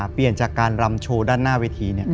เปลี่ยนจากการรำโชว์ด้านหน้าเวที